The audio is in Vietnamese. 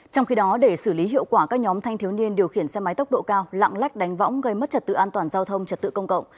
trong khi đó để xử lý hiệu quả các nhóm thanh thiếu niên điều khiển xe máy tốc độ cao lạng lách đánh võng gây mất trật tự an toàn giao thông trật tự công cộng